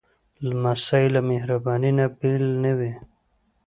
لمسی له مهربانۍ نه بېل نه وي.